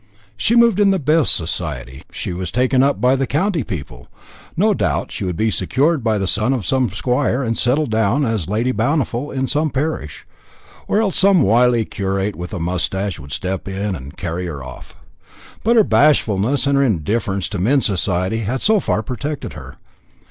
She moved in the best society, she was taken up by the county people. No doubt she would be secured by the son of some squire, and settle down as Lady Bountiful in some parish; or else some wily curate with a moustache would step in and carry her off. But her bashfulness and her indifference to men's society had so far protected her.